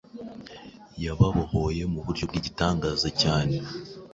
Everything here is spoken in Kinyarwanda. yababohoye mu buryo bw’igitangaza cyane.